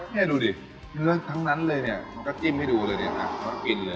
นี่ดูดิเนื้อทั้งนั้นเลยเนี่ยมันก็จิ้มให้ดูเลยเนี่ยนะกินเลย